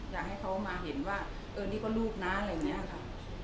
อยากให้เขามาเห็นว่าเออนี่ก็ลูกนะอะไรอย่างนี้ค่ะ